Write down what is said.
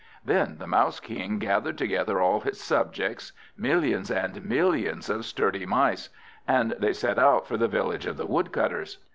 Then the Mouse King gathered together all his subjects, millions and millions of sturdy Mice; and they set out for the village of the Woodcutters.